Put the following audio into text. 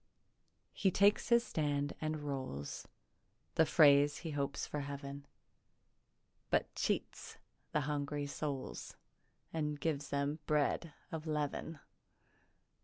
He takes his stand and rolls The phrase he hopes for Heav'n, But cheats the hungry souls And gives them bread of leav'n.